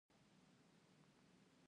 نو ځکه فرد یو ځانګړی حق لري.